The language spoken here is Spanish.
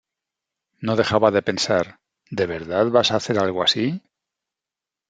No dejaba de pensar: '¿De verdad vas a hacer algo así?'.